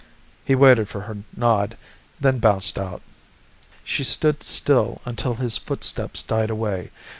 He waited for her nod, then bounced out. She stood still until his footsteps died away.